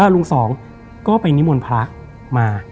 ลุงสองก็ไปนิมนต์พระมา